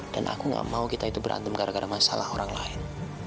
dan aku gak mau kita itu berantem gara gara masalah orang lain